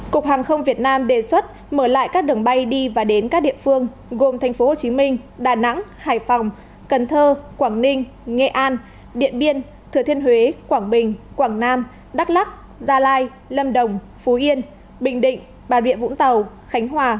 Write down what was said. cục hàng không việt nam đề xuất mở lại các đường bay đi và đến các địa phương gồm tp hcm đà nẵng hải phòng cần thơ quảng ninh nghệ an điện biên thừa thiên huế quảng bình quảng nam đắk lắc gia lai lâm đồng phú yên bình định bà rịa vũng tàu khánh hòa